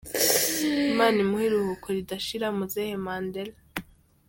Imana imuhe iruhuko ridashira Muzehe Mandela.